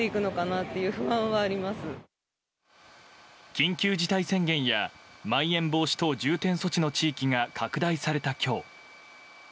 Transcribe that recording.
緊急事態宣言やまん延防止等重点措置の地域が拡大された今日。